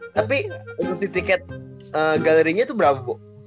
tapi untuk si tiket galerinya itu berapa bo